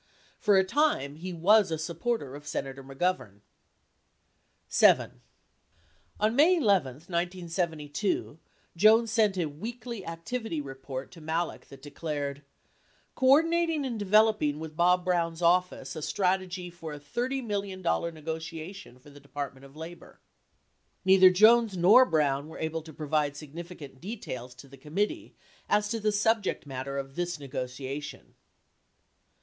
For a time he was a supporter of Senator McGovern. 7. On May 11, 1972, Jones sent a "Weekly Activity Report" to Malek that declared : 84 Coordinating and developing with Bob Brown's office a strategy for a 30 million dollar negotiation for the Dept, of Labor. Neither Jones nor Brown were able to provide significant details to the committee as to the subject matter of this negotiation.